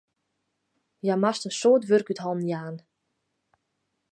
Hja moast in soad wurk út hannen jaan.